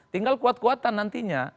tinggal kuat kuatan nantinya